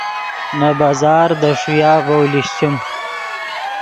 نے بازار دے ݰویا ڤؤ لیشچیم